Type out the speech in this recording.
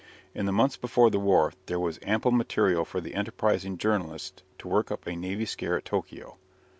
In the months before the war there was ample material for the enterprising journalist to work up a navy scare at Tokio.